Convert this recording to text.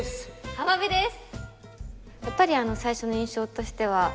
浜辺です！